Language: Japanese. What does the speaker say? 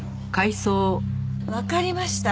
わかりました。